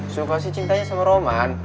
sukasi cintanya sama roman